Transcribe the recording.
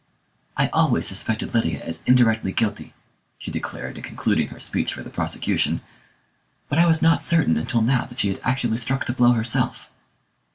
"I always suspected Lydia as indirectly guilty," she declared in concluding her speech for the prosecution, "but I was not certain until now that she had actually struck the blow herself."